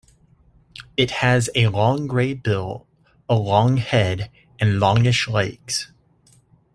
It has a long grey bill, a long head, and longish legs.